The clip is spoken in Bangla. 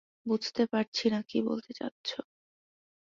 বুঝতে পারছি না কী বলতে চাচ্ছ।